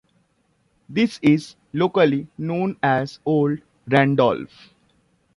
This is locally known as Old Randolph.